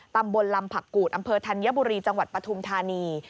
ตำบลลำผักกูดอำเภอธัญบุรีจังหวัดปฐุมธานี